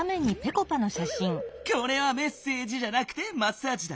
これは「メッセージ」じゃなくて「マッサージ」だ！